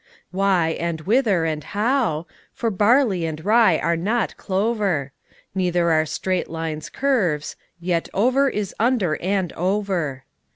Why, and whither, and how? for barley and rye are not clover: Neither are straight lines curves: yet over is under and over.